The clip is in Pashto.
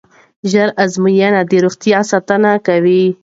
ژر ازموینه د روغتیا ساتنه کوي.